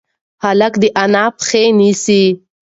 هلک د انا پښې نیسي.